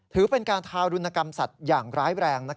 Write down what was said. ถือเป็นการทารุณกรรมสัตว์อย่างร้ายแรง